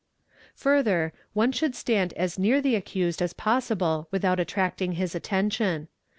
! Further, one should stand as near the accused as possible without attracting his attention.